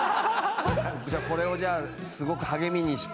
これをじゃあすごく励みにして？